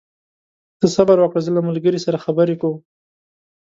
ته صبر وکړه، زه له ملګري سره خبرې کوم.